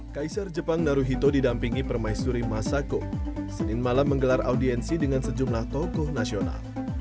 kaisar jepang naruhito didampingi permaisuri masako senin malam menggelar audiensi dengan sejumlah tokoh nasional